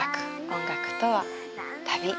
音楽とは旅。